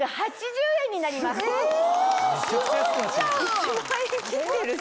１万円切ってるし！